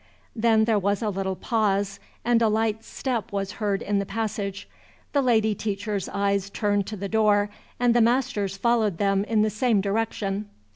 Then there was a little pause, and a light step was heard in the passage. The lady teacher's eyes turned to the door, and the master's followed them in the same direction.